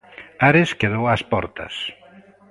Ares quedou ás portas.